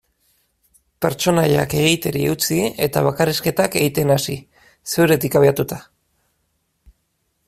Pertsonaiak egiteari utzi eta bakarrizketak egiten hasi, zeuretik abiatuta.